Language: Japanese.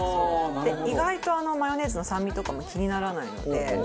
意外とマヨネーズの酸味とかも気にならないので。